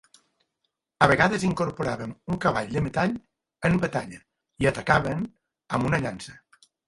A vegades incorporaven un cavall de metall en batalla i atacaven amb una llança.